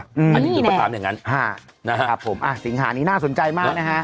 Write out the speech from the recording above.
อันนี้ดูไปตามอย่างงั้นครับผมสิ่งหานี้น่าสนใจมากนะฮะ